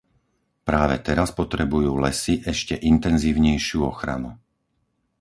Práve teraz potrebujú lesy ešte intenzívnejšiu ochranu.